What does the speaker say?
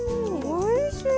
おいしい。